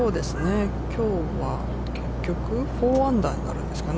きょうは、結局、４アンダーになるんですかね。